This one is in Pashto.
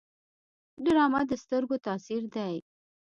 ډرامه د سترګو تاثیر دی